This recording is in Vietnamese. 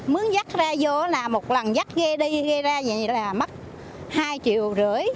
mướn rắt ra vô là một lần rắt ghê đi ghê ra là mắc hai triệu rưỡi